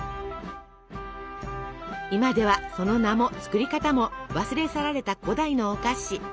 今ではその名も作り方も忘れ去られた古代のお菓子。